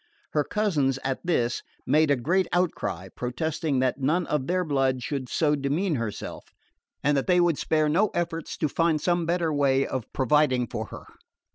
Her cousins, at this, made a great outcry, protesting that none of their blood should so demean herself, and that they would spare no efforts to find some better way of providing for her.